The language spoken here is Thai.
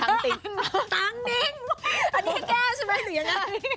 ตังค์จริงอันนี้แก้ใช่ไหมหรือยังไง